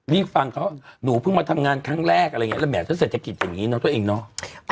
นี่ฟังเขาหนูเพิ่งมาทำงานครั้งแรกแล้วแหมดเศรษฐกิจอย่างนี้เนอะตัวเองเนอะ